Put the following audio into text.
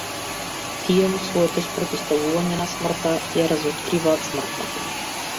Тие во своето спротивставување на смртта ја разоткриваат смртта.